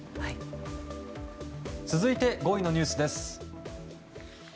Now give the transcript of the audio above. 続いて５位のニュースです。